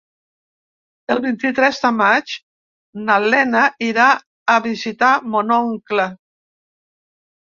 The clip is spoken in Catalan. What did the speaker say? El vint-i-tres de maig na Lena irà a visitar mon oncle.